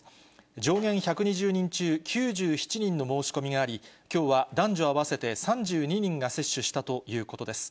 上限１２０人中９７人の申し込みがあり、きょうは男女合わせて３２人が接種したということです。